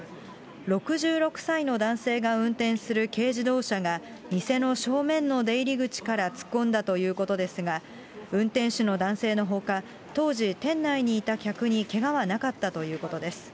６６歳の男性が運転する軽自動車が、店の正面の出入り口から突っ込んだということですが、運転手の男性のほか、当時、店内にいた客に、けがはなかったということです。